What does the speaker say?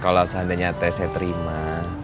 kalo seandainya teh saya terima